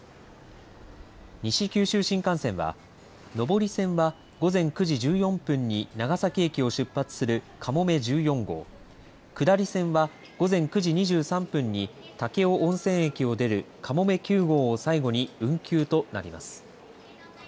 西九州新幹線は上り線は午前９時１４分に長崎駅を出発するかもめ１４号下り線は、午前９時２３分に武雄温泉駅を出るかもめ９号を最後に運休となります。